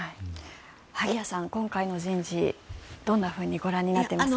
萩谷さん、今回の人事どのようにご覧になっていますか？